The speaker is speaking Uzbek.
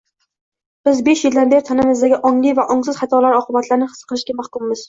Biz besh yildan beri tanamizdagi ongli va ongsiz xatolar oqibatlarini his qilishga mahkummiz